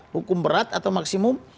hukum berat atau maksimum